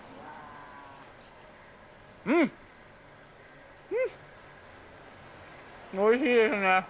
うん、おいしいですね。